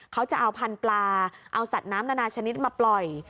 เขาจะเอาพันธุ์ปลาเอาสัตว์น้ำนานาชนิดมาปล่อย